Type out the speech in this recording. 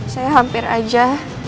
saya hampir aja